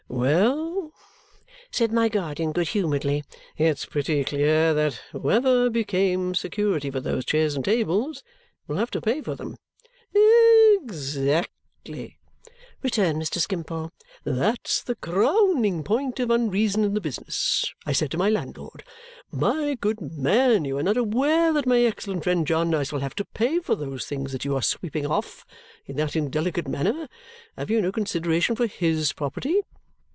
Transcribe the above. "Well," said my guardian good humouredly, "it's pretty clear that whoever became security for those chairs and tables will have to pay for them." "Exactly!" returned Mr. Skimpole. "That's the crowning point of unreason in the business! I said to my landlord, 'My good man, you are not aware that my excellent friend Jarndyce will have to pay for those things that you are sweeping off in that indelicate manner. Have you no consideration for HIS property?'